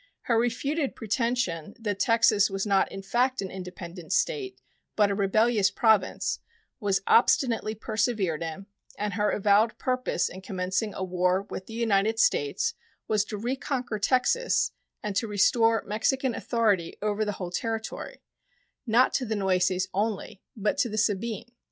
Her refuted pretension that Texas was not in fact an independent state, but a rebellious province, was obstinately persevered in, and her avowed purpose in commencing a war with the United States was to reconquer Texas and to restore Mexican authority over the whole territory not to the Nueces only, but to the Sabine.